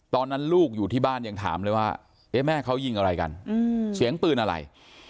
ตอนนั้นลูกอยู่ที่บ้านยังถามเลยว่าแม่เขายิงอะไรกันเสียงปืนอะไร